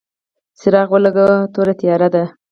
څراغ ولګوه ، توره تیاره ده !